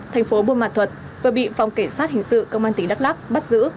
thành phố buôn mạc thuật vừa bị phòng kẻ sát hình sự công an tỉnh đắk lắk bắt giữ